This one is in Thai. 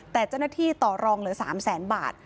แต่เจ้าหน้าที่ต่อรองเหลือ๓แสนบาท